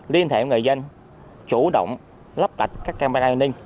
liên thể người dân chủ động lắp đạch các camera an ninh